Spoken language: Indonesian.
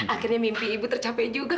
akhirnya mimpi ibu tercapai juga